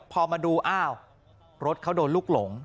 พอมาดูอ้าวรถเขาโดนลูกหลง